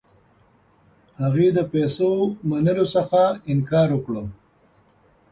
هغې د پیسو منلو څخه انکار وکړ.